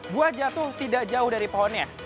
buah jatuh tidak jauh dari pohonnya